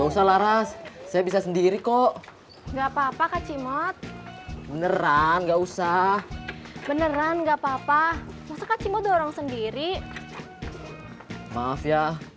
sampai jumpa di video selanjutnya